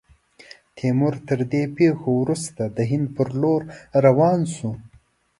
تیمور، تر دې پیښو وروسته، د هند پر لور روان سو.